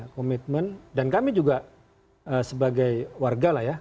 komitmen dan kami juga sebagai warga lah ya